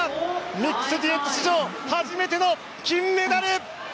ミックスデュエット史上初めての金メダル。